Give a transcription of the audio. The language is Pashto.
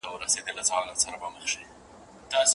آيا تر نکاح وروسته ميرمن مجبورېدلای سي؟